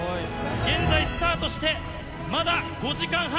現在、スタートしてまだ５時間半。